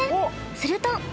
すると。